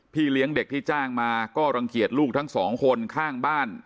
เลี้ยงเด็กที่จ้างมาก็รังเกียจลูกทั้งสองคนข้างบ้าน